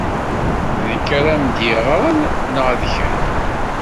D nekk ara am-d-yeɣren neɣ d kemm?